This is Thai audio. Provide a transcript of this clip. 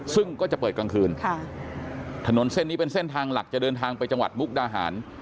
ซึ่งก็จะเปิดกลางคืนถนนเส้นนี้เป็นเส้นทางหลักจะเดินทางไปจังหวัดมุกดาหาร